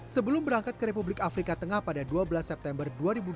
sebelum berangkat ke republik afrika tengah pada dua belas september dua ribu dua puluh